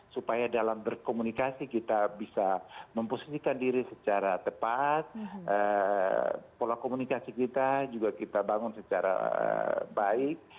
supaya dalam berkomunikasi kita bisa memposisikan diri secara tepat pola komunikasi kita juga kita bangun secara baik